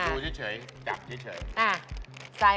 ดูเฉยจับเฉย